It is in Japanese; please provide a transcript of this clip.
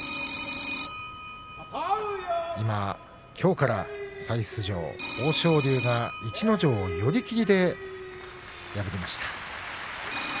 今、きょうから再出場、豊昇龍が逸ノ城を寄り切りで破りました。